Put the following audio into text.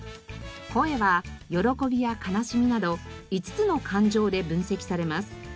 声は喜びや悲しみなど５つの感情で分析されます。